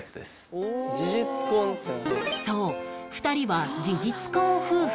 そう２人は事実婚夫婦